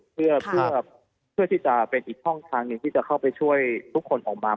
เพื่อที่จะเป็นอีกช่องทางหนึ่งที่จะเข้าไปช่วยทุกคนออกมา